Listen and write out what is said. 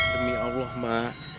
demi allah mbak